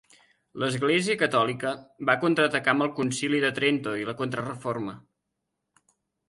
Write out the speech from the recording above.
L'església catòlica va contraatacar amb el Concili de Trento i la Contrareforma.